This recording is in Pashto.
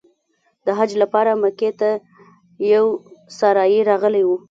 د حج لپاره مکې ته یو سارایي راغلی و.